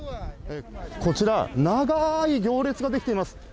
こちら、長い行列が出来ています。